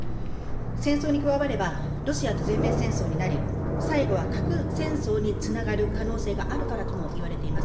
戦争に加われば、ロシアと全面戦争になり、最後は核戦争につながる可能性があるからともいわれています。